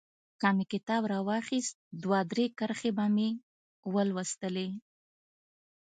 که مې کتاب رااخيست دوه درې کرښې به مې ولوستلې.